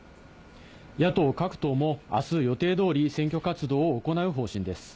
野党各党もあす予定どおり、選挙活動を行う方針です。